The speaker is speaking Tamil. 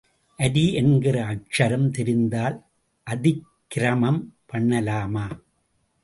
அரி என்கிற அக்ஷரம் தெரிந்தால் அதிக்கிரமம் பண்ணலாமா?